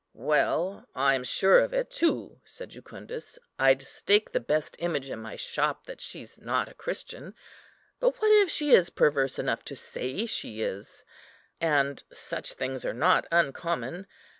"Well, I am sure of it, too," said Jucundus; "I'd stake the best image in my shop that she's not a Christian; but what if she is perverse enough to say she is? and such things are not uncommon.